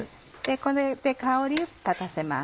これで香りを立たせます。